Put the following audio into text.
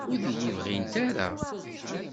Ur d-iyi-bɣint ara?